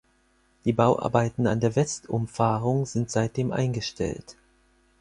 Die Bauarbeiten an der Westumfahrung sind seitdem eingestellt.